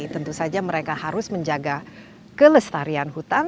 tentu saja mereka harus menjaga kelestarian hutan